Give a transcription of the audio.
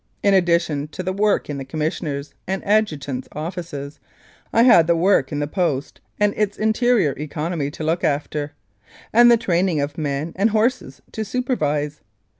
In addition to the work in the Commissioner's and Adjutant's offices, I had the work in the Post and its interior economy to look after, and the training of men and horses to supervise.